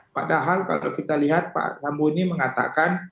padahal kalau kita lihat pak rambuni mengatakan